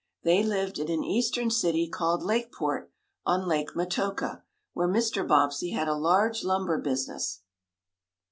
They lived in an Eastern city called Lakeport, on Lake Metoka, where Mr. Bobbsey had a large lumber business.